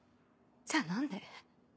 じゃあ何で？